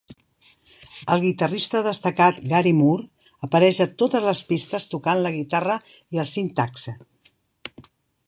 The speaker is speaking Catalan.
El guitarrista destacat Gary Moore apareix a totes les pistes tocant la guitarra i el SynthAxe.